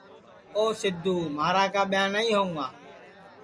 او سیدھو مھارا کیا ٻیاں نائی ہوئں گا